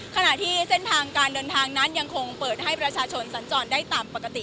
ขณะที่เส้นทางการเดินทางนั้นยังคงเปิดให้ประชาชนสัญจรได้ตามปกติ